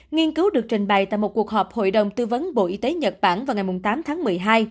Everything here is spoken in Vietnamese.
nghiên cứu được trình bày tại một cuộc họp hội đồng tư vấn bộ y tế nhật bản vào ngày tám tháng một mươi hai